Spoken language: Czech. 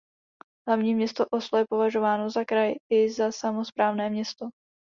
Hlavní město Oslo je považováno za kraj i za samosprávné město.